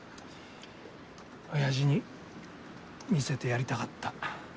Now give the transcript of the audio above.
おやじに見せてやりたかった。